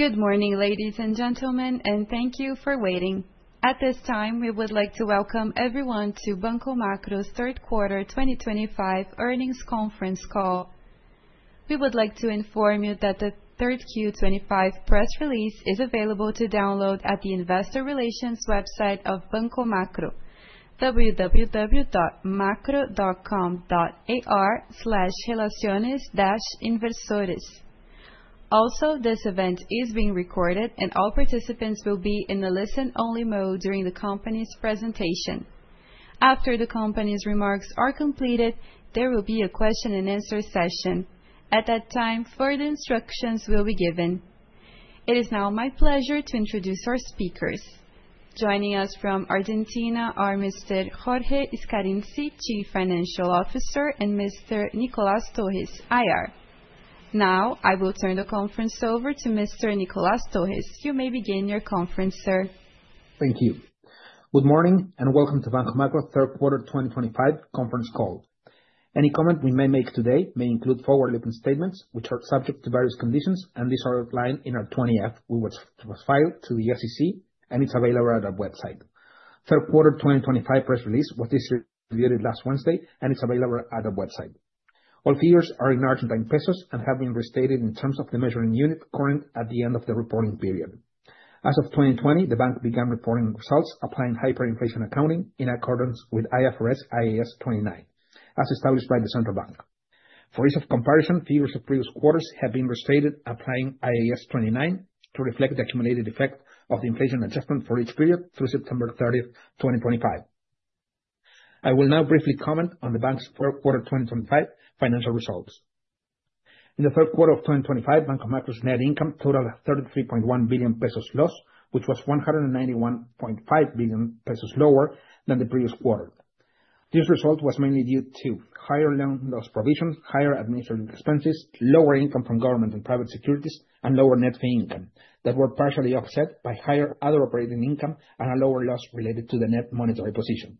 Good morning, ladies and gentlemen, and thank you for waiting. At this time, we would like to welcome everyone to Banco Macro's third quarter 2025 earnings conference call. We would like to inform you that the Third Q25 press release is available to download at the investor relations website of Banco Macro: www.macro.com.ar/relaciones-inversores. Also, this event is being recorded, and all participants will be in a listen-only mode during the company's presentation. After the company's remarks are completed, there will be a question-and-answer session. At that time, further instructions will be given. It is now my pleasure to introduce our speakers. Joining us from Argentina are Mr. Jorge Scarinci, Chief Financial Officer, and Mr. Nicolás Torres, IR. Now, I will turn the conference over to Mr. Nicolás Torres. You may begin your conference, sir. Thank you. Good morning and welcome to Banco Macro's Third Quarter 2025 conference call. Any comment we may make today may include forward-looking statements, which are subject to various conditions, and these are outlined in our 20-F, which was filed to the SEC, and it is available at our website. Third Quarter 2025 press release was distributed last Wednesday, and it is available at our website. All figures are in ARS and have been restated in terms of the measuring unit current at the end of the reporting period. As of 2020, the bank began reporting results applying hyperinflation accounting in accordance with IFRS IAS 29, as established by the Central Bank of Argentina. For ease of comparison, figures of previous quarters have been restated, applying IAS 29 to reflect the accumulated effect of the inflation adjustment for each period through September 30, 2025. I will now briefly comment on the bank's third quarter 2025 financial results. In the third quarter of 2025, Banco Macro's net income totaled an 33.1 billion pesos loss, which was 191.5 billion pesos lower than the previous quarter. This result was mainly due to higher loan loss provision, higher administrative expenses, lower income from government and private securities, and lower net fee income that were partially offset by higher other operating income and a lower loss related to the net monetary position.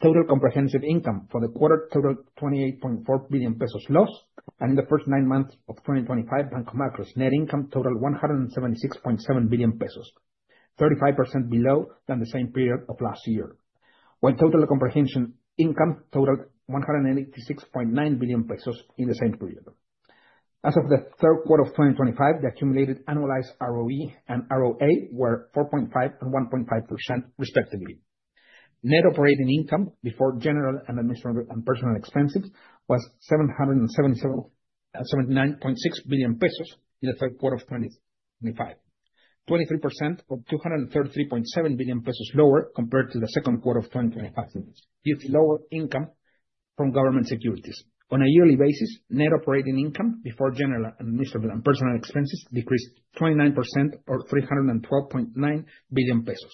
Total comprehensive income for the quarter totaled an 28.4 billion pesos loss, and in the first nine months of 2025, Banco Macro's net income totaled 176.7 billion pesos, 35% below the same period of last year, while total comprehensive income totaled 186.9 billion pesos in the same period. As of the Third Quarter of 2025, the accumulated annualized ROE and ROA were 4.5% and 1.5%, respectively. Net operating income before general and administrative and personal expenses was 779.6 billion pesos in the third quarter of 2025, 23% or 233.7 billion pesos lower compared to the second quarter of 2025, due to lower income from government securities. On a yearly basis, net operating income before general and administrative and personal expenses decreased 29% or 312.9 billion pesos.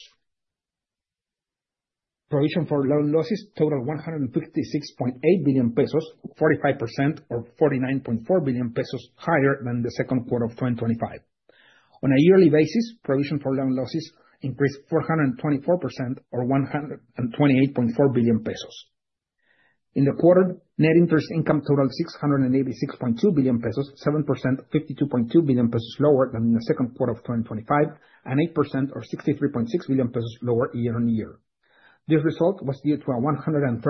Provision for loan losses totaled 156.8 billion pesos, 45% or 49.4 billion pesos higher than the second quarter of 2025. On a yearly basis, provision for loan losses increased 424% or 128.4 billion pesos. In the quarter, net interest income totaled 686.2 billion pesos, 7% or 52.2 billion pesos lower than in the second quarter of 2025, and 8% or 63.6 billion pesos lower year on year. This result was due to a 113.9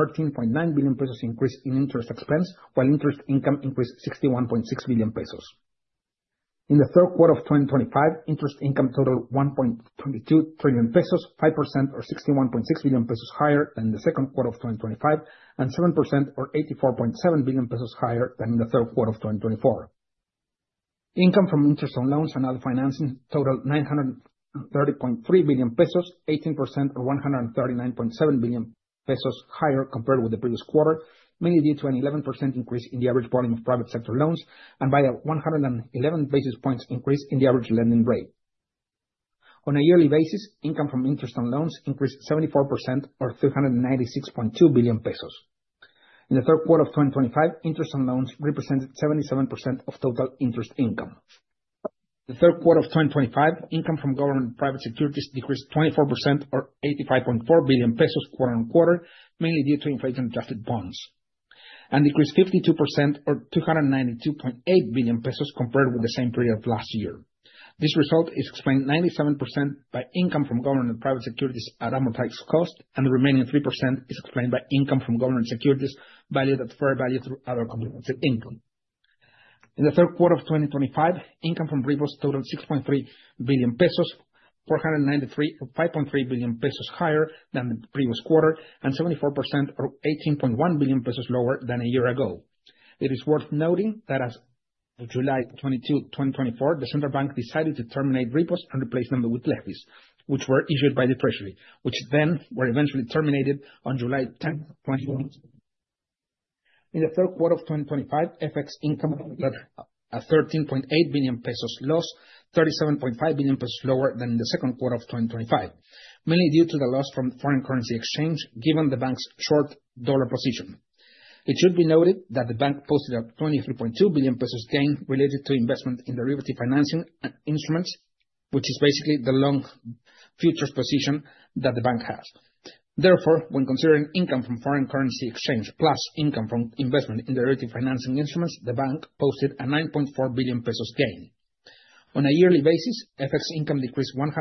billion pesos increase in interest expense, while interest income increased 61.6 billion pesos. In the third quarter of 2025, interest income totaled 1.22 trillion pesos, 5% or 61.6 billion pesos higher than the second quarter of 2025, and 7% or 84.7 billion pesos higher than in the third quarter of 2024. Income from interest on loans and other financing totaled 930.3 billion pesos, 18% or 139.7 billion pesos higher compared with the previous quarter, mainly due to an 11% increase in the average volume of private sector loans and by a 111 basis points increase in the average lending rate. On a yearly basis, income from interest on loans increased 74% or 396.2 billion pesos. In the third quarter of 2025, interest on loans represented 77% of total interest income. The third quarter of 2025, income from government and private securities decreased 24% or 85.4 billion pesos quarter on quarter, mainly due to inflation-adjusted bonds, and decreased 52% or 292.8 billion pesos compared with the same period of last year. This result is explained 97% by income from government and private securities at amortized cost, and the remaining 3% is explained by income from government securities valued at fair value through other comprehensive income. In the third quarter of 2025, income from repos totaled 6.3 billion pesos, 493.5 billion pesos higher than the previous quarter, and 74% or 18.1 billion pesos lower than a year ago. It is worth noting that as of July 22, 2024, the Central Bank of Argentina decided to terminate repos and replace them with LELIQs, which were issued by the Treasury, which then were eventually terminated on July 10, 2024. In the third quarter of 2025, FX income totaled an 13.8 billion pesos loss, 37.5 billion pesos lower than in the second quarter of 2025, mainly due to the loss from the foreign currency exchange, given the bank's short dollar position. It should be noted that the bank posted an 23.2 billion pesos gain related to investment in derivative financing instruments, which is basically the long futures position that the bank has. Therefore, when considering income from foreign currency exchange plus income from investment in derivative financing instruments, the bank posted an 9.4 billion pesos gain. On a yearly basis, FX income decreased 164%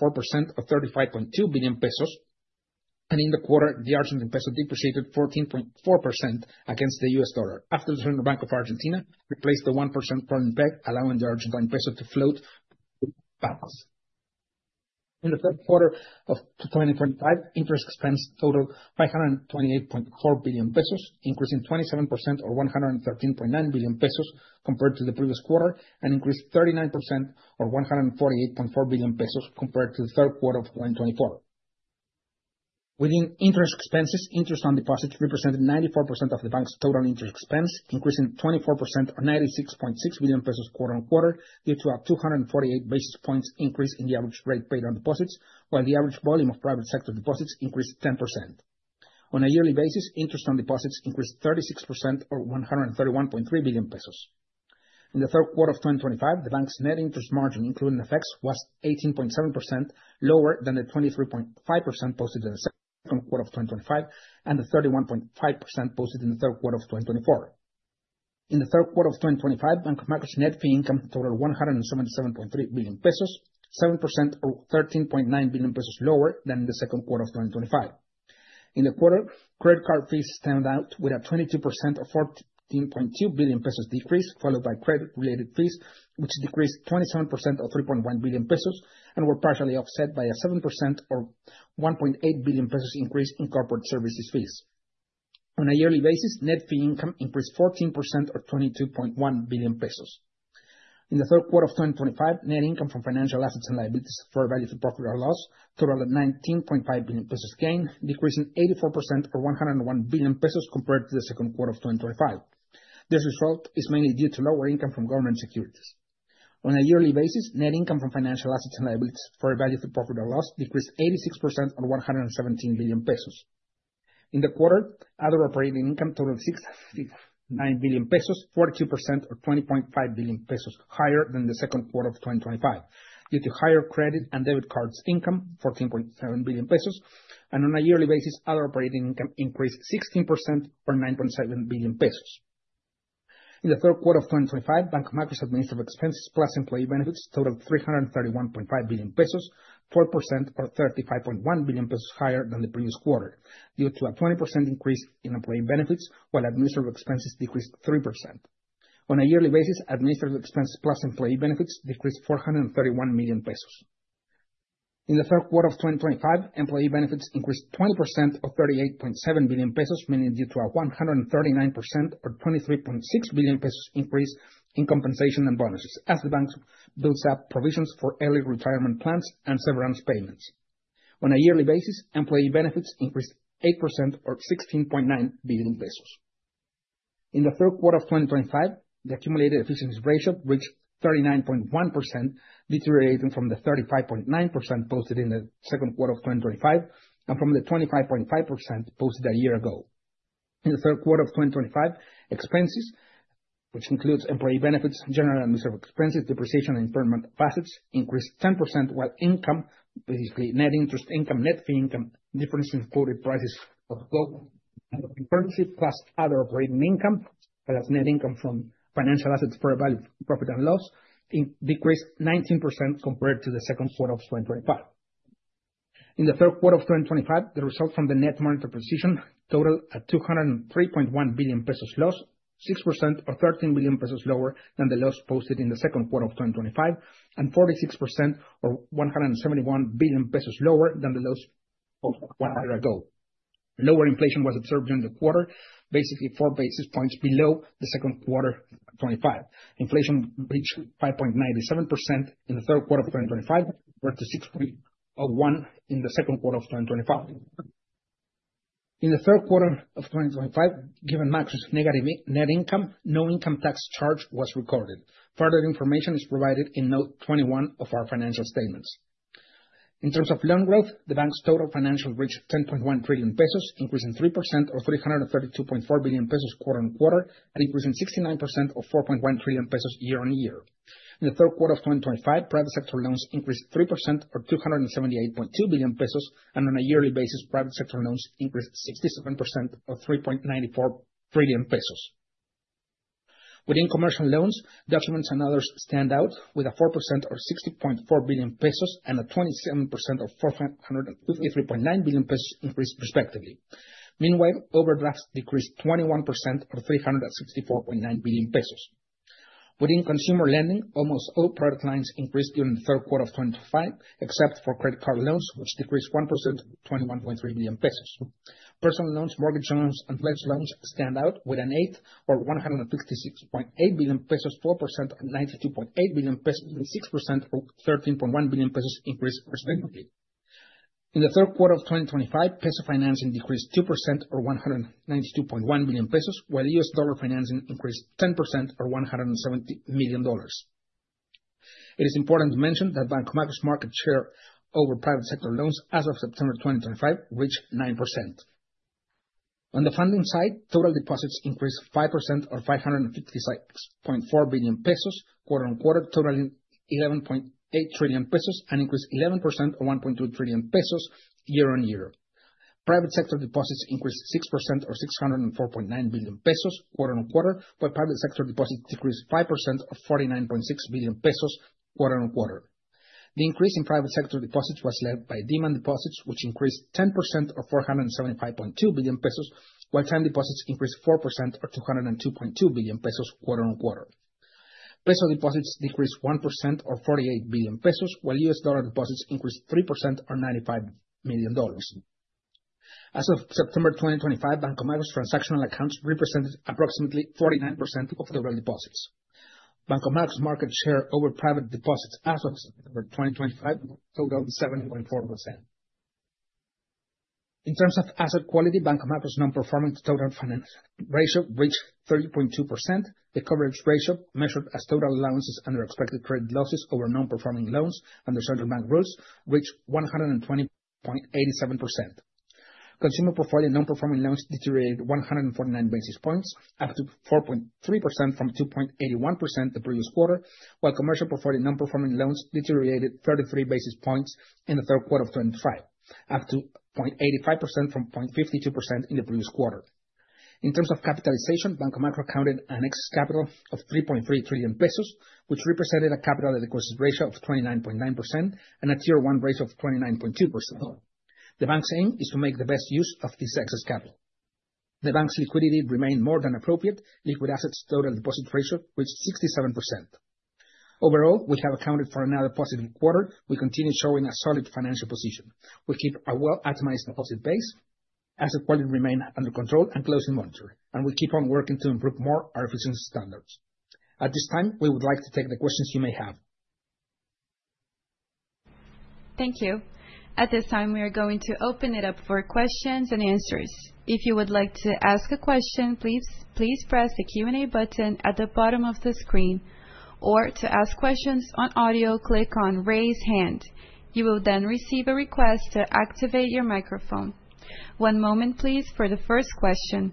or 35.2 billion pesos, and in the quarter, the Argentine Peso depreciated 14.4% against the U.S. Dollar after the Central Bank of Argentina replaced the 1% crawling peg, allowing the Argentine Peso to float through the box. In the third quarter of 2025, interest expense totaled 528.4 billion pesos, increasing 27% or 113.9 billion compared to the previous quarter, and increased 39% or 148.4 billion pesos compared to the third quarter of 2024. Within interest expenses, interest on deposits represented 94% of the bank's total interest expense, increasing 24% or 96.6 billion pesos quarter on quarter due to a 248 basis points increase in the average rate paid on deposits, while the average volume of private sector deposits increased 10%. On a yearly basis, interest on deposits increased 36% or 131.3 billion pesos. In the third quarter of 2025, the bank's net interest margin, including FX, was 18.7% lower than the 23.5% posted in the second quarter of 2025 and the 31.5% posted in the third quarter of 2024. In the third quarter of 2025, Banco Macro's net fee income totaled 177.3 billion pesos, 7% or 13.9 billion pesos lower than in the second quarter of 2025. In the quarter, credit card fees stand out with a 22% or 14.2 billion pesos decrease, followed by credit-related fees, which decreased 27% or 3.1 billion pesos and were partially offset by a 7% or 1.8 billion pesos increase in corporate services fees. On a yearly basis, net fee income increased 14% or 22.1 billion pesos. In the third quarter of 2025, net income from financial assets and liabilities at fair value through profit or loss totaled 19.5 billion pesos gain, decreasing 84% or 101 billion pesos compared to the second quarter of 2025. This result is mainly due to lower income from government securities. On a yearly basis, net income from financial assets and liabilities at fair value through profit or loss decreased 86% or 117 billion pesos. In the quarter, other operating income totaled 659 billion pesos, 42% or 20.5 billion pesos higher than the second quarter of 2025, due to higher credit and debit cards income, 14.7 billion pesos, and on a yearly basis, other operating income increased 16% or 9.7 billion pesos. In the third quarter of 2025, Banco Macro's administrative expenses plus employee benefits totaled 331.5 billion pesos, 4% or 35.1 billion pesos higher than the previous quarter, due to a 20% increase in employee benefits, while administrative expenses decreased 3%. On a yearly basis, administrative expenses plus employee benefits decreased 431 million pesos. In the third quarter of 2025, employee benefits increased 20% or 38.7 billion pesos, mainly due to a 139% or 23.6 billion pesos increase in compensation and bonuses, as the bank builds up provisions for early retirement plans and severance payments. On a yearly basis, employee benefits increased 8% or 16.9 billion pesos. In the third quarter of 2025, the accumulated efficiency ratio reached 39.1%, deteriorating from the 35.9% posted in the second quarter of 2025 and from the 25.5% posted a year ago. In the third quarter of 2025, expenses, which includes employee benefits, general administrative expenses, depreciation, and intangible assets, increased 10%, while income, basically net interest income, net fee income difference, included prices of global currency plus other operating income, as net income from financial assets for value-to-profit and loss, decreased 19% compared to the second quarter of 2025. In the third quarter of 2025, the result from the net monetary position totaled an 203.1 billion pesos loss, 6% or 13 billion pesos lower than the loss posted in the second quarter of 2025, and 46% or 171 billion pesos lower than the loss posted a year ago. Lower inflation was observed during the quarter, basically 4 basis points below the second quarter of 2025. Inflation reached 5.97% in the third quarter of 2025 compared to 6.01% in the second quarter of 2025. In the third quarter of 2025, given Macro's negative net income, no income tax charge was recorded. Further information is provided in Note 21 of our financial statements. In terms of loan growth, the bank's total financials reached 10.1 trillion pesos, increasing 3% or 332.4 billion pesos quarter on quarter and increasing 69% or 4.1 trillion pesos year on year. In the third quarter of 2025, private sector loans increased 3% or 278.2 billion pesos, and on a yearly basis, private sector loans increased 67% or 3.94 trillion pesos. Within commercial loans, documents and others stand out with a 4% or ARS 60.4 billion and a 27% or 453.9 billion pesos increase, respectively. Meanwhile, overdrafts decreased 21% or 364.9 billion pesos. Within consumer lending, almost all product lines increased during the third quarter of 2025, except for credit card loans, which decreased 1% or 21.3 billion pesos. Personal loans, mortgage loans, and flex loans stand out with an 8% or 156.8 billion pesos, 12% or 92.8 billion pesos, and 6% or 13.1 billion pesos increase, respectively. In the third quarter of 2025, peso financing decreased 2% or 192.1 billion pesos, while US dollar financing increased 10% or $170 million. It is important to mention that Banco Macro's market share over private sector loans as of September 2025 reached 9%. On the funding side, total deposits increased 5% or 556.4 billion pesos quarter on quarter, totaling 11.8 trillion pesos, and increased 11% or 1.2 trillion pesos year on year. Private sector deposits increased 6% or 604.9 billion pesos quarter on quarter, while private sector deposits decreased 5% or 49.6 billion pesos quarter on quarter. The increase in private sector deposits was led by demand deposits, which increased 10% or 475.2 billion pesos, while time deposits increased 4% or 202.2 billion pesos quarter on quarter. Peso deposits decreased 1% or 48 billion pesos, while US dollar deposits increased 3% or $95 million. As of September 2025, Banco Macro's transactional accounts represented approximately 49% of total deposits. Banco Macro's market share over private deposits as of September 2025 totaled 7.4%. In terms of asset quality, Banco Macro's non-performing total finance ratio reached 3.02%. The coverage ratio, measured as total allowances under expected credit losses over non-performing loans under central bank rules, reached 120.87%. Consumer portfolio non-performing loans deteriorated 149 basis points, up to 4.3% from 2.81% the previous quarter, while commercial portfolio non-performing loans deteriorated 33 basis points in the third quarter of 2025, up to 0.85% from 0.52% in the previous quarter. In terms of capitalization, Banco Macro accounted an excess capital of 3.3 trillion pesos, which represented a capital adequacy ratio of 29.9% and a tier 1 ratio of 29.2%. The bank's aim is to make the best use of this excess capital. The bank's liquidity remained more than appropriate. Liquid assets total deposit ratio reached 67%. Overall, we have accounted for another positive quarter. We continue showing a solid financial position. We keep a well-optimized deposit base. Asset quality remains under control and closely monitored, and we keep on working to improve more our efficiency standards. At this time, we would like to take the questions you may have. Thank you. At this time, we are going to open it up for questions and answers. If you would like to ask a question, please press the Q&A button at the bottom of the screen. Or to ask questions on audio, click on "Raise Hand." You will then receive a request to activate your microphone. One moment, please, for the first question.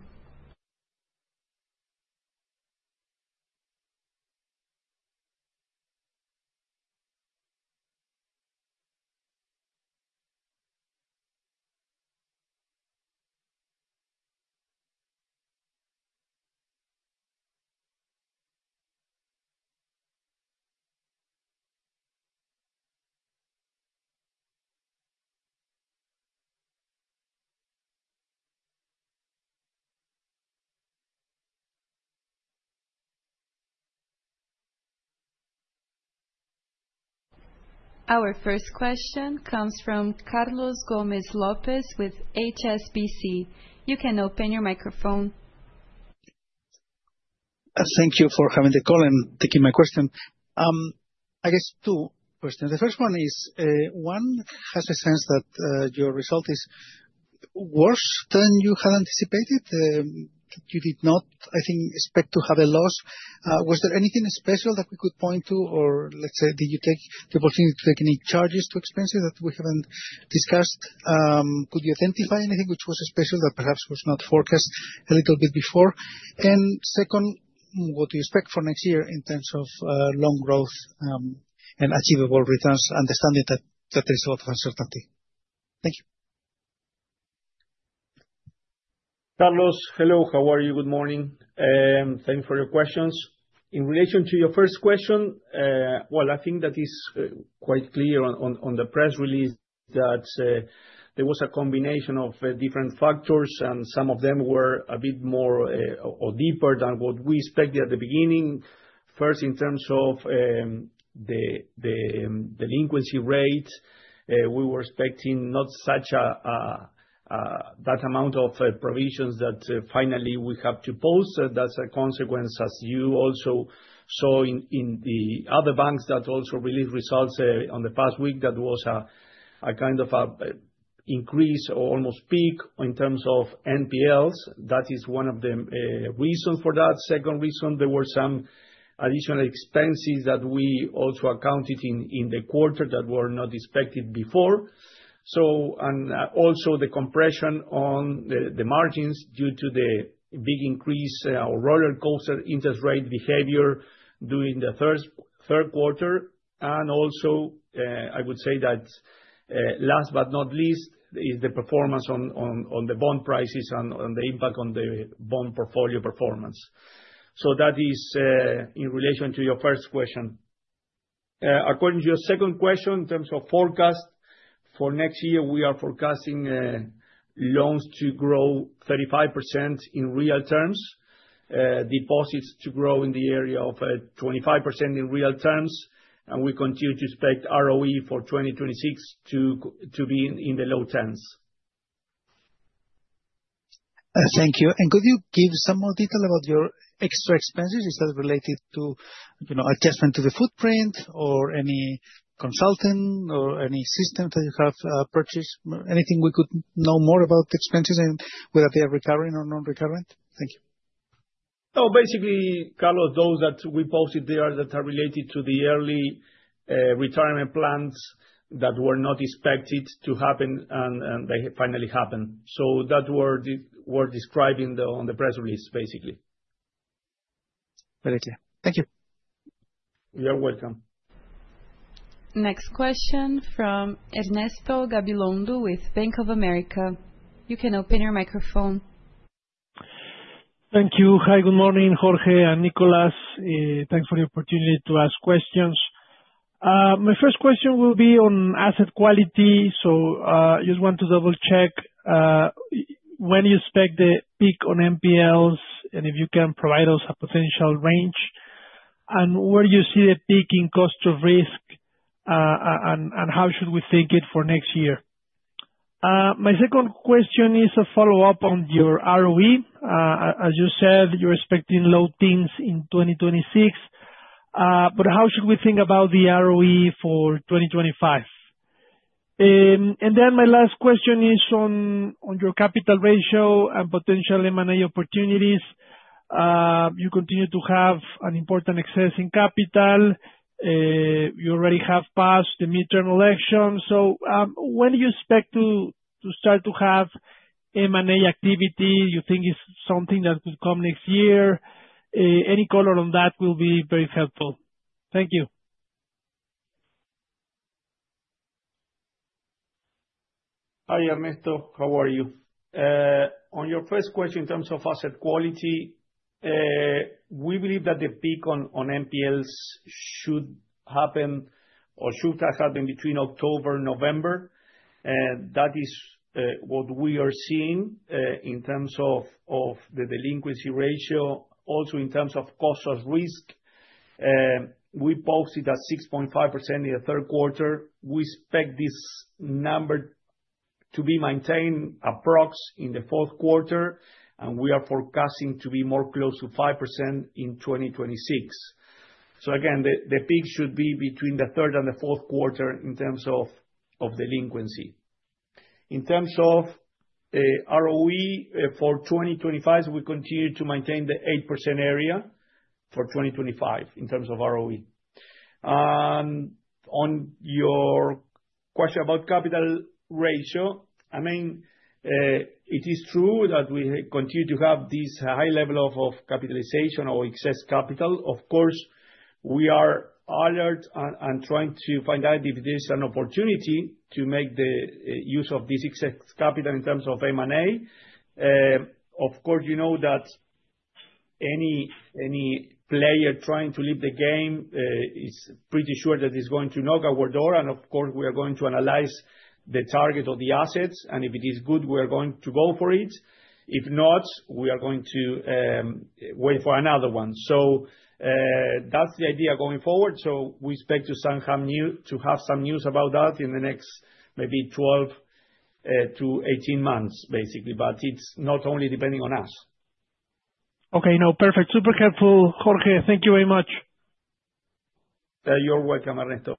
Our first question comes from Carlos Gomez Lopez with HSBC. You can open your microphone. Thank you for having the call and taking my question. I guess two questions. The first one is, one, has a sense that your result is worse than you had anticipated, that you did not, I think, expect to have a loss. Was there anything special that we could point to, or let's say, did you take the opportunity to take any charges to expenses that we haven't discussed? Could you identify anything which was special that perhaps was not forecast a little bit before? Second, what do you expect for next year in terms of loan growth and achievable returns, understanding that there is a lot of uncertainty? Thank you. Carlos, hello, how are you? Good morning. Thanks for your questions. In relation to your first question, I think that is quite clear on the press release that there was a combination of different factors, and some of them were a bit more or deeper than what we expected at the beginning. First, in terms of the delinquency rate, we were expecting not such a that amount of provisions that finally we have to post. That's a consequence, as you also saw in the other banks that also released results on the past week, that was a kind of an increase or almost peak in terms of NPLs. That is one of the reasons for that. Second reason, there were some additional expenses that we also accounted in the quarter that were not expected before. Also the compression on the margins due to the big increase or roller coaster interest rate behavior during the Third Quarter. I would say that last but not least is the performance on the bond prices and the impact on the bond portfolio performance. That is in relation to your first question. According to your second question, in terms of forecast for next year, we are forecasting loans to grow 35% in real terms, deposits to grow in the area of 25% in real terms, and we continue to expect ROE for 2026 to be in the low 10s. Thank you. Could you give some more detail about your extra expenses? Is that related to adjustment to the footprint or any consulting or any systems that you have purchased? Anything we could know more about the expenses and whether they are recurring or non-recurrent? Thank you. Oh, basically, Carlos, those that we posted there that are related to the early retirement plans that were not expected to happen and they finally happened. So that were described on the press release, basically. Very clear. Thank you. You're welcome. Next question from Ernesto Gabilondo with Bank of America. You can open your microphone. Thank you. Hi, good morning, Jorge and Nicolás. Thanks for the opportunity to ask questions. My first question will be on asset quality. I just want to double-check when you expect the peak on NPLs and if you can provide us a potential range and where you see the peak in cost of risk and how should we think it for next year. My second question is a follow-up on your ROE. As you said, you're expecting low teens in 2026, but how should we think about the ROE for 2025? My last question is on your capital ratio and potential M&A opportunities. You continue to have an important excess in capital. You already have passed the midterm election. When do you expect to start to have M&A activity? You think it's something that could come next year? Any color on that will be very helpful. Thank you. Hi, Ernesto. How are you? On your first question in terms of asset quality, we believe that the peak on NPLs should happen or should have happened between October and November. That is what we are seeing in terms of the delinquency ratio. Also, in terms of cost of risk, we posted at 6.5% in the third quarter. We expect this number to be maintained approximately in the fourth quarter, and we are forecasting to be more close to 5% in 2026. Again, the peak should be between the third and the fourth quarter in terms of delinquency. In terms of ROE for 2025, we continue to maintain the 8% area for 2025 in terms of ROE. On your question about capital ratio, I mean, it is true that we continue to have this high level of capitalization or excess capital. Of course, we are alert and trying to find out if there's an opportunity to make the use of this excess capital in terms of M&A. Of course, you know that any player trying to leave the game is pretty sure that it's going to knock at our door, and of course, we are going to analyze the target of the assets, and if it is good, we are going to go for it. If not, we are going to wait for another one. That's the idea going forward. We expect to have some news about that in the next maybe 12-18 months, basically, but it's not only depending on us. Okay, no, perfect. Super helpful, Jorge. Thank you very much. You're welcome, Ernesto.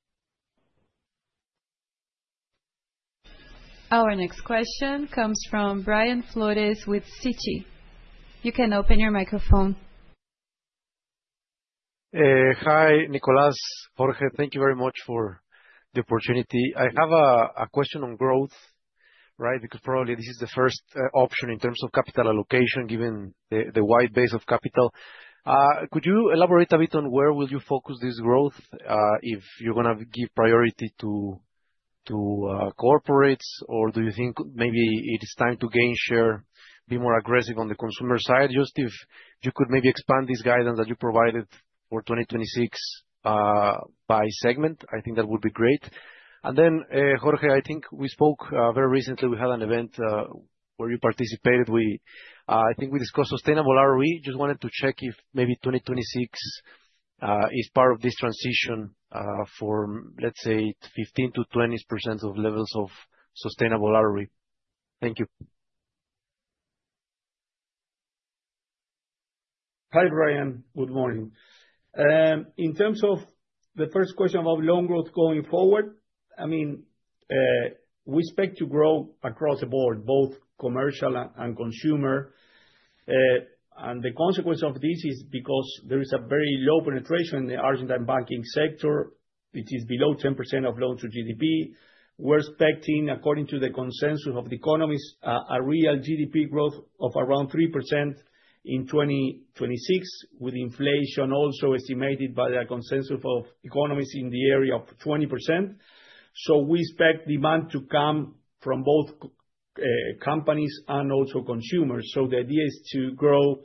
Our next question comes from Brian Flores with Citi. You can open your microphone. Hi, Nicolas. Jorge, thank you very much for the opportunity. I have a question on growth, right? Because probably this is the first option in terms of capital allocation given the wide base of capital. Could you elaborate a bit on where will you focus this growth if you're going to give priority to corporates, or do you think maybe it is time to gain share, be more aggressive on the consumer side? Just if you could maybe expand this guidance that you provided for 2026 by segment, I think that would be great. Then, Jorge, I think we spoke very recently. We had an event where you participated. I think we discussed sustainable ROE. Just wanted to check if maybe 2026 is part of this transition for, let's say, 15%-20% of levels of sustainable ROE. Thank you. Hi, Brian. Good morning. In terms of the first question about loan growth going forward, I mean, we expect to grow across the board, both commercial and consumer. The consequence of this is because there is a very low penetration in the Argentine banking sector. It is below 10% of loans to GDP. We are expecting, according to the consensus of the economies, a real GDP growth of around 3% in 2026, with inflation also estimated by the consensus of economies in the area of 20%. We expect demand to come from both companies and also consumers. The idea is to grow,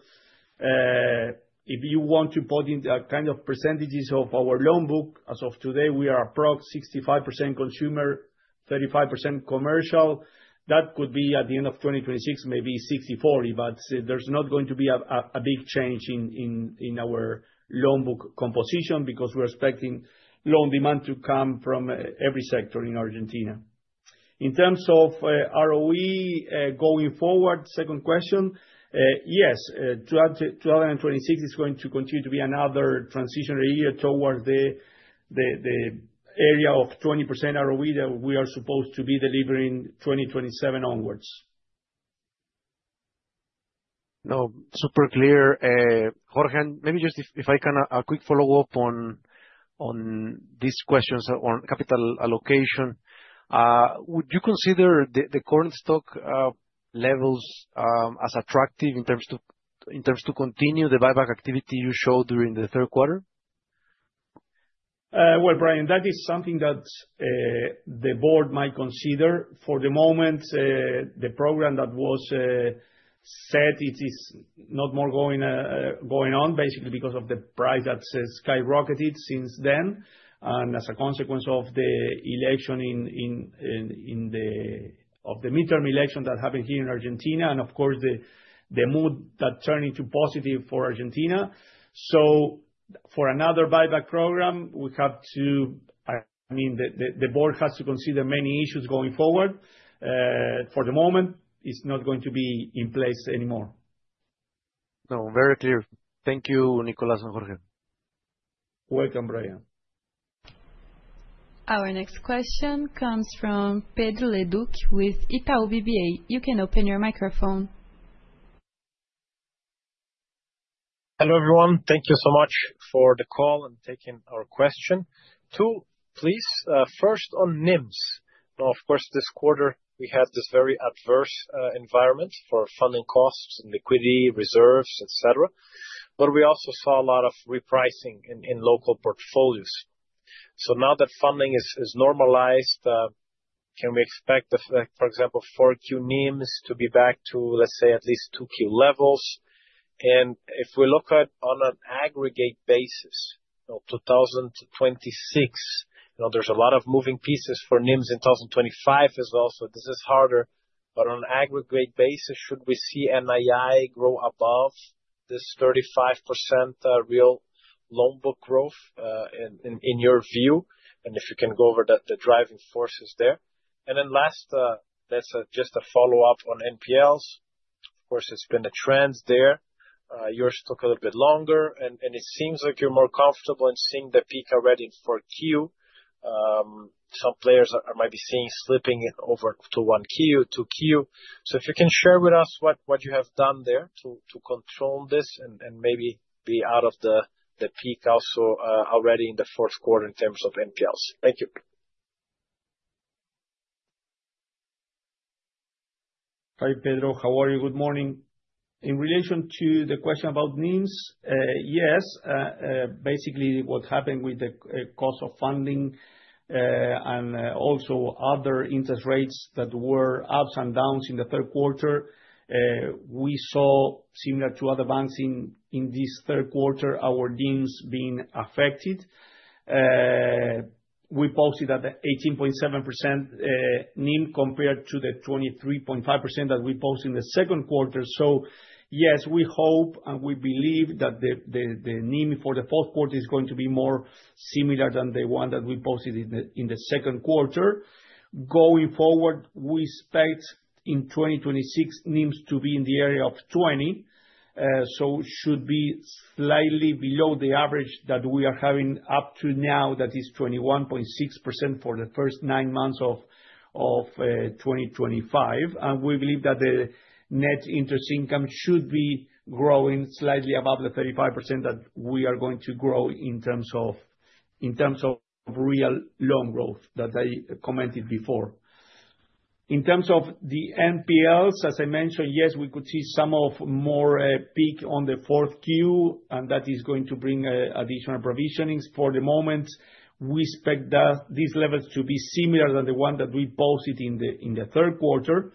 if you want to put in the kind of percentages of our loan book, as of today, we are approximately 65% consumer, 35% commercial. That could be at the end of 2026, maybe 60-40, but there's not going to be a big change in our loan book composition because we're expecting loan demand to come from every sector in Argentina. In terms of ROE going forward, second question, yes, 2026 is going to continue to be another transition year towards the area of 20% ROE that we are supposed to be delivering 2027 onwards. No, super clear. Jorge, maybe just if I can a quick follow-up on these questions on capital allocation. Would you consider the current stock levels as attractive in terms to continue the buyback activity you showed during the Third Quarter? Brian, that is something that the board might consider. For the moment, the program that was set, it is not more going on, basically, because of the price that skyrocketed since then and as a consequence of the election of the midterm election that happened here in Argentina and, of course, the mood that turned into positive for Argentina. For another buyback program, we have to, I mean, the board has to consider many issues going forward. For the moment, it's not going to be in place anymore. No, very clear. Thank you, Nicolás and Jorge. Welcome, Brian. Our next question comes from Pedro Leduc with Itaú BBA. You can open your microphone. Hello, everyone. Thank you so much for the call and taking our question. Two, please. First, on NIMS. Of course, this quarter, we had this very adverse environment for funding costs and liquidity reserves, etc. We also saw a lot of repricing in local portfolios. Now that funding is normalized, can we expect, for example, 4Q NIMs to be back to, let's say, at least 2Q levels? If we look at, on an aggregate basis, 2026, there are a lot of moving pieces for NIMs in 2025 as well. This is harder. On an aggregate basis, should we see NII grow above this 35% real loan book growth in your view? If you can go over the driving forces there. Last, that's just a follow-up on NPLs. Of course, it's been a trend there. Yours took a little bit longer. It seems like you're more comfortable in seeing the peak already in 4Q. Some players might be seeing slipping over to 1Q, 2Q. If you can share with us what you have done there to control this and maybe be out of the peak also already in the fourth quarter in terms of NPLs. Thank you. Hi, Pedro. How are you? Good morning. In relation to the question about NIMs, yes. Basically, what happened with the cost of funding and also other interest rates that were ups and downs in the third quarter, we saw, similar to other banks in this third quarter, our NIMs being affected. We posted at the 18.7% NIM compared to the 23.5% that we posted in the second quarter. Yes, we hope and we believe that the NIM for the fourth quarter is going to be more similar than the one that we posted in the second quarter. Going forward, we expect in 2026, NIMs to be in the area of 20. It should be slightly below the average that we are having up to now, that is 21.6% for the first nine months of 2025. We believe that the net interest income should be growing slightly above the 35% that we are going to grow in terms of real loan growth that I commented before. In terms of the NPLs, as I mentioned, yes, we could see some more peak on the fourth quarter, and that is going to bring additional provisionings. For the moment, we expect these levels to be similar than the one that we posted in the third quarter.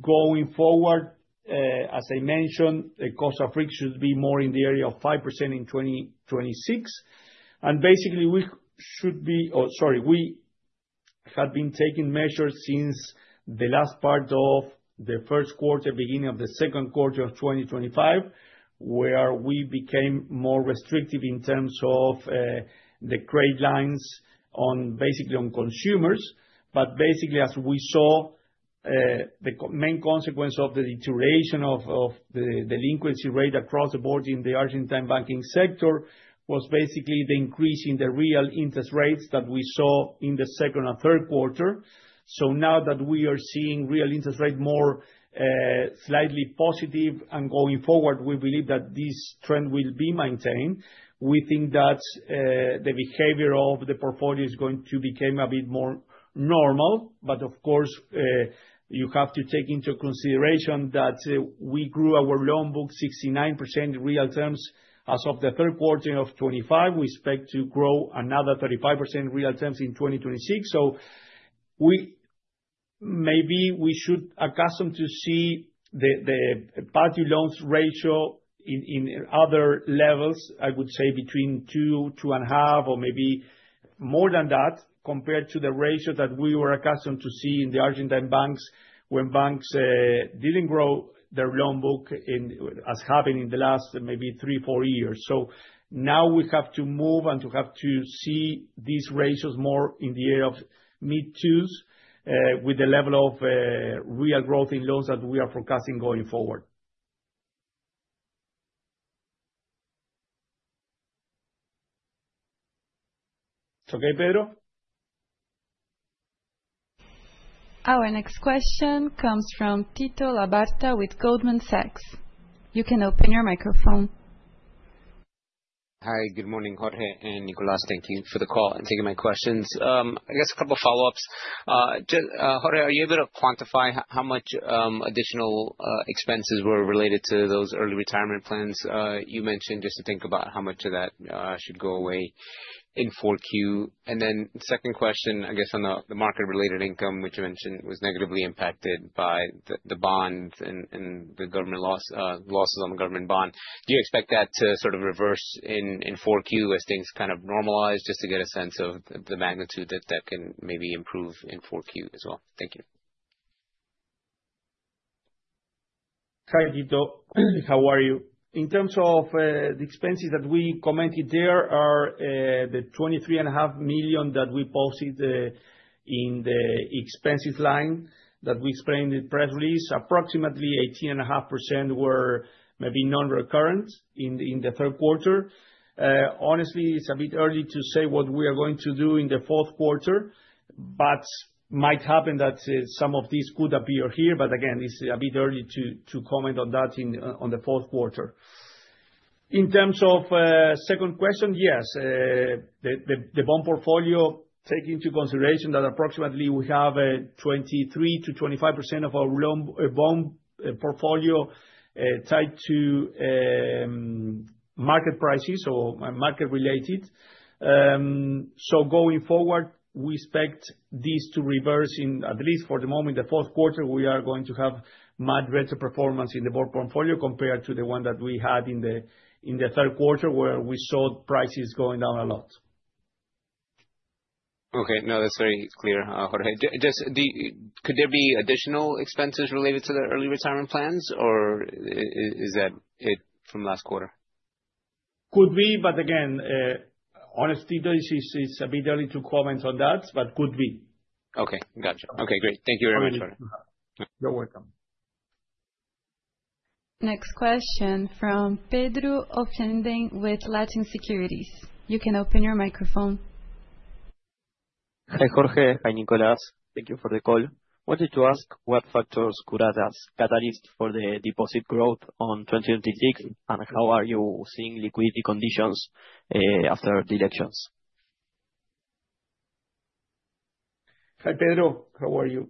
Going forward, as I mentioned, the cost of risk should be more in the area of 5% in 2026. Basically, we should be—sorry, we had been taking measures since the last part of the first quarter, beginning of the second quarter of 2025, where we became more restrictive in terms of the credit lines basically on consumers. Basically, as we saw, the main consequence of the deterioration of the delinquency rate across the board in the Argentine banking sector was the increase in the real interest rates that we saw in the second and third quarter. Now that we are seeing real interest rates more slightly positive and going forward, we believe that this trend will be maintained. We think that the behavior of the portfolio is going to become a bit more normal. Of course, you have to take into consideration that we grew our loan book 69% real terms as of the third quarter of 2025. We expect to grow another 35% in real terms in 2026. Maybe we should accustom to see the past due loans ratio in other levels, I would say between 2, 2.5, or maybe more than that compared to the ratio that we were accustomed to see in the Argentine banks when banks did not grow their loan book as happened in the last maybe three, four years. Now we have to move and have to see these ratios more in the area of mid-2s with the level of real growth in loans that we are forecasting going forward. Okay, Pedro. Our next question comes from Tito Labarta with Goldman Sachs. You can open your microphone. Hi, good morning, Jorge and Nicolás. Thank you for the call and taking my questions. I guess a couple of follow-ups. Jorge, are you able to quantify how much additional expenses were related to those early retirement plans you mentioned just to think about how much of that should go away in Q4? The second question, I guess on the market-related income, which you mentioned was negatively impacted by the bonds and the government losses on the government bond. Do you expect that to sort of reverse in Q4 as things kind of normalize just to get a sense of the magnitude that that can maybe improve in Q4 as well? Thank you. Hi, Tito. How are you? In terms of the expenses that we commented there are the 23.5 million that we posted in the expenses line that we explained in the press release. Approximately 18.5% were maybe non-recurrent in the third quarter. Honestly, it's a bit early to say what we are going to do in the fourth quarter, but it might happen that some of these could appear here. Again, it's a bit early to comment on that in the fourth quarter. In terms of the second question, yes. The bond portfolio, taking into consideration that approximately we have 23%-25% of our bond portfolio tied to market prices or market-related. Going forward, we expect this to reverse, at least for the moment. In the fourth quarter, we are going to have much better performance in the bond portfolio compared to the one that we had in the third quarter where we saw prices going down a lot. Okay. No, that's very clear, Jorge. Could there be additional expenses related to the early retirement plans, or is that it from last quarter? Could be, but again, honestly, it's a bit early to comment on that, but could be. Okay. Gotcha. Okay. Great. Thank you very much, Jorge. You're welcome. Next question from Pedro with Latin Securities. You can open your microphone. Hi, Jorge. Hi, Nicolás. Thank you for the call. Wanted to ask what factors could act as catalyst for the deposit growth on 2026, and how are you seeing liquidity conditions after the elections? Hi, Pedro. How are you?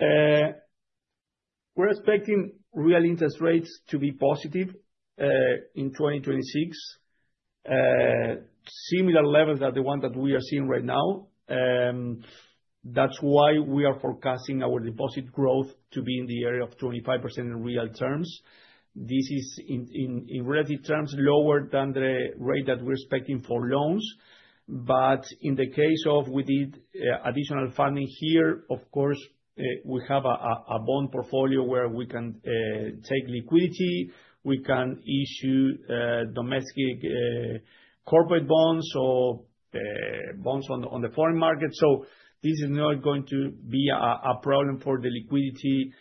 We're expecting real interest rates to be positive in 2026, similar levels as the one that we are seeing right now. That's why we are forecasting our deposit growth to be in the area of 25% in real terms. This is, in relative terms, lower than the rate that we're expecting for loans. In the case of we did additional funding here, of course, we have a bond portfolio where we can take liquidity. We can issue domestic corporate bonds or bonds on the foreign market. This is not going to be a problem for the liquidity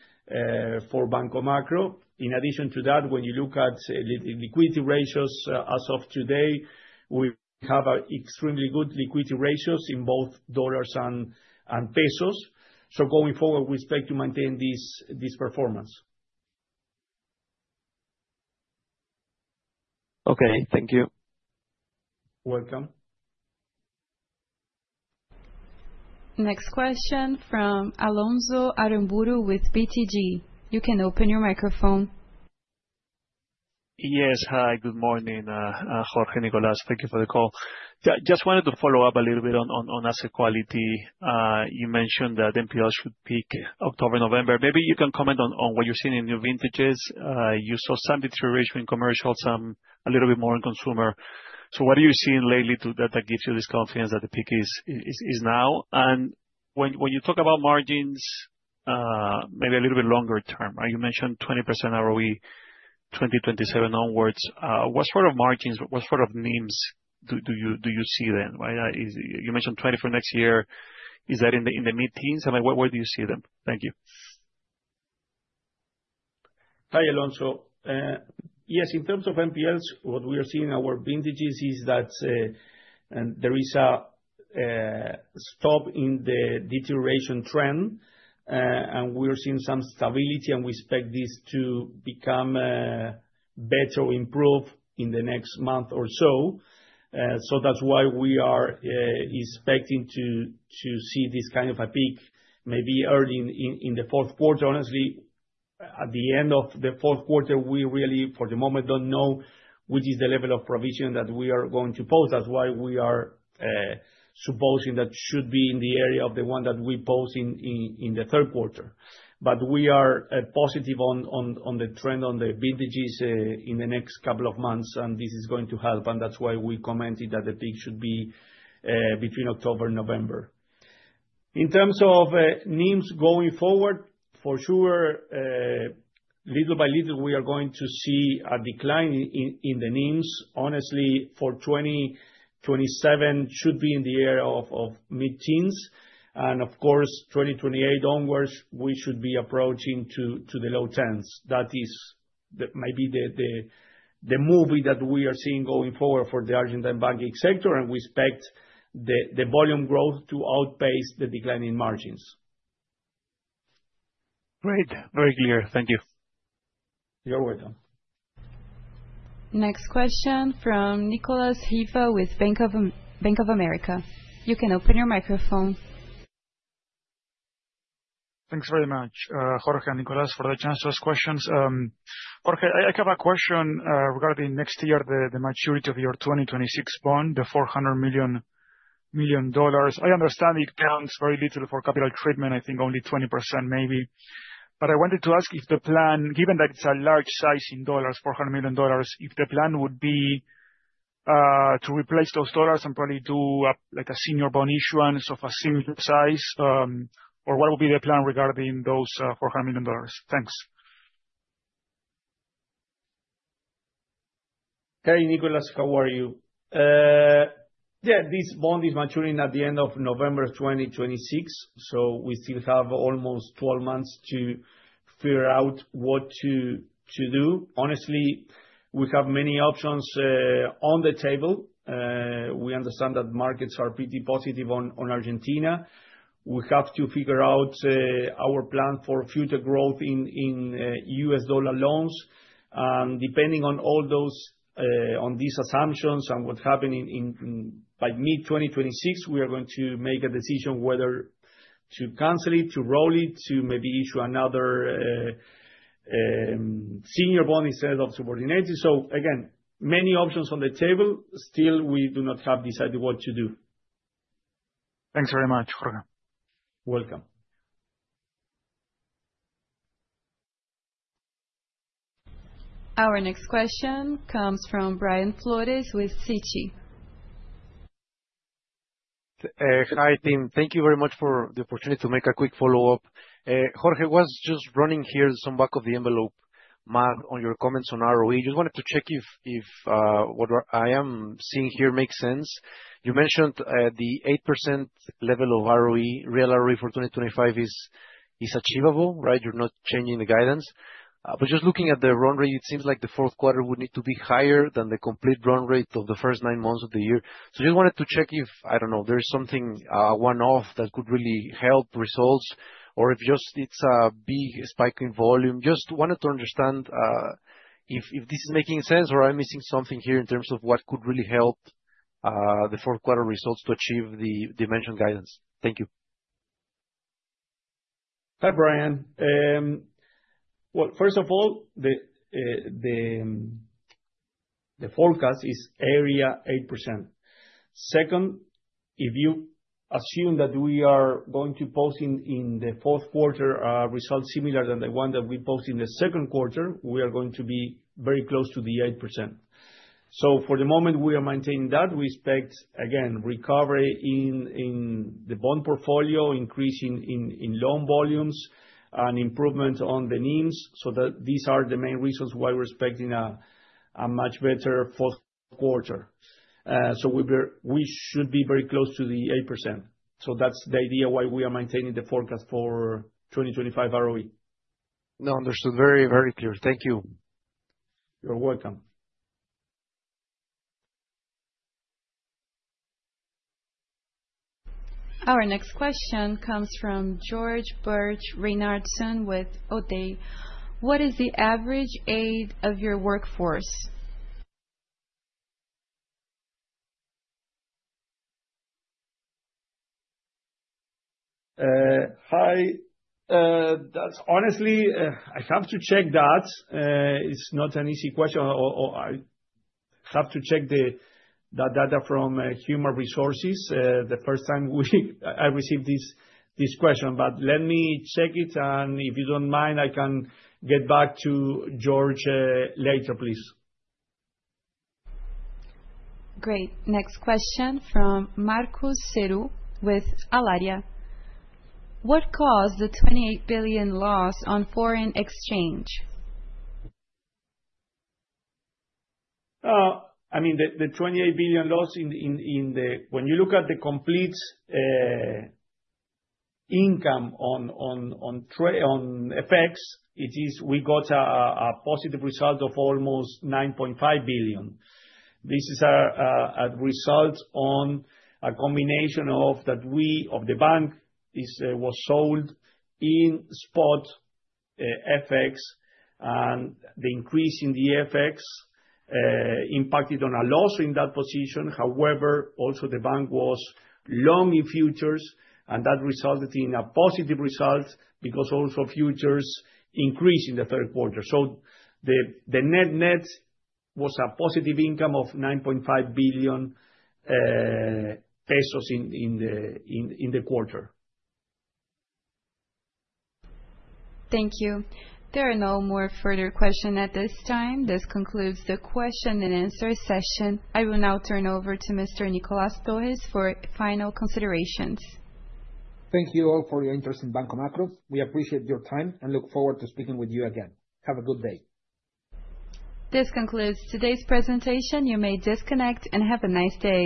for Banco Macro. In addition to that, when you look at liquidity ratios as of today, we have extremely good liquidity ratios in both dollars and pesos. Going forward, we expect to maintain this performance. Okay. Thank you. Welcome. Next question from Alonso Aramburu with BTG. You can open your microphone. Yes. Hi, good morning, Jorge, Nicolás. Thank you for the call. Just wanted to follow up a little bit on asset quality. You mentioned that NPLs should peak October, November. Maybe you can comment on what you're seeing in new vintages. You saw some deterioration in commercial, some a little bit more in consumer. What are you seeing lately that gives you this confidence that the peak is now? When you talk about margins, maybe a little bit longer term, you mentioned 20% ROE 2027 onwards. What sort of margins, what sort of NIMs do you see then? You mentioned 20 for next year. Is that in the mid-teens? I mean, where do you see them? Thank you. Hi, Alonso. Yes, in terms of NPLs, what we are seeing in our vintages is that there is a stop in the deterioration trend, and we're seeing some stability, and we expect this to become better or improve in the next month or so. That is why we are expecting to see this kind of a peak maybe early in the fourth quarter. Honestly, at the end of the fourth quarter, we really, for the moment, do not know which is the level of provision that we are going to post. That is why we are supposing that should be in the area of the one that we post in the third quarter. We are positive on the trend on the vintages in the next couple of months, and this is going to help. That is why we commented that the peak should be between October and November. In terms of NIMS going forward, for sure, little by little, we are going to see a decline in the NIMS. Honestly, for 2027, should be in the area of mid-teens. Of course, 2028 onwards, we should be approaching to the low 10s. That is maybe the movie that we are seeing going forward for the Argentine banking sector, and we expect the volume growth to outpace the declining margins. Great. Very clear. Thank you. You're welcome. Next question from Nicolás Hiva with Bank of America. You can open your microphone. Thanks very much, Jorge and Nicolás, for the chance to ask questions. Jorge, I have a question regarding next year, the maturity of your 2026 bond, the $400 million. I understand it counts very little for capital treatment, I think only 20% maybe. But I wanted to ask if the plan, given that it's a large size in dollars, $400 million, if the plan would be to replace those dollars and probably do a senior bond issuance of a similar size, or what would be the plan regarding those $400 million? Thanks. Hey, Nicolás, how are you? Yeah, this bond is maturing at the end of November 2026, so we still have almost 12 months to figure out what to do. Honestly, we have many options on the table. We understand that markets are pretty positive on Argentina. We have to figure out our plan for future growth in US dollar loans. Depending on all those, on these assumptions and what happened by mid-2026, we are going to make a decision whether to cancel it, to roll it, to maybe issue another senior bond instead of subordinated. Again, many options on the table. Still, we do not have decided what to do. Thanks very much, Jorge. Welcome. Our next question comes from Brian Flores with Citi. Hi, team. Thank you very much for the opportunity to make a quick follow-up. Jorge, I was just running here some back of the envelope math on your comments on ROE. I just wanted to check if what I am seeing here makes sense. You mentioned the 8% level of ROE, real ROE for 2025 is achievable, right? You're not changing the guidance. Just looking at the run rate, it seems like the fourth quarter would need to be higher than the complete run rate of the first nine months of the year. I just wanted to check if, I don't know, there is something one-off that could really help results, or if just it's a big spike in volume. I just wanted to understand if this is making sense or I'm missing something here in terms of what could really help the fourth quarter results to achieve the mentioned guidance. Thank you. Hi, Brian. First of all, the forecast is area 8%. Second, if you assume that we are going to post in the fourth quarter results similar than the one that we post in the second quarter, we are going to be very close to the 8%. For the moment, we are maintaining that. We expect, again, recovery in the bond portfolio, increase in loan volumes, and improvements on the NIMS. These are the main reasons why we're expecting a much better fourth quarter. We should be very close to the 8%. That's the idea why we are maintaining the forecast for 2025 ROE. No, understood. Very, very clear. Thank you. You're welcome. Our next question comes from George Burch Reynardson with OET. What is the average age of your workforce? Hi. Honestly, I have to check that. It's not an easy question. I have to check that data from Human Resources the first time I received this question, but let me check it. If you don't mind, I can get back to George later, please. Great. Next question from Marcos Ceri with Allaria. What caused the 28 billion loss on foreign exchange? I mean, the 28 billion loss in the when you look at the complete income on FX, it is we got a positive result of almost 9.5 billion. This is a result on a combination of that we, of the bank, was sold in spot FX, and the increase in the FX impacted on a loss in that position. However, also the bank was long in futures, and that resulted in a positive result because also futures increased in the Third Quarter. The net net was a positive income of 9.5 billion pesos in the quarter. Thank you. There are no more further questions at this time. This concludes the question and answer session. I will now turn over to Mr. Nicolás Torres for final considerations. Thank you all for your interest in Banco Macro. We appreciate your time and look forward to speaking with you again. Have a good day. This concludes today's presentation. You may disconnect and have a nice day.